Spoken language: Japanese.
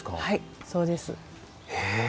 はいそうです。